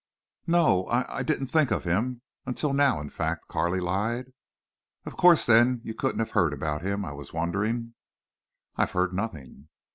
"No, I—I didn't think of him—until now, in fact," Carley lied. "Of course then you couldn't have heard about him. I was wondering." "I have heard nothing."